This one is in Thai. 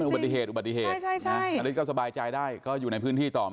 บาดพระหักอย่างนี้นะ